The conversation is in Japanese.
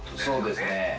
そうですね。